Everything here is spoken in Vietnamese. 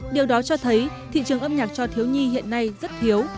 điều đó cho thấy thị trường âm nhạc cho thiếu nhi hiện nay rất thiếu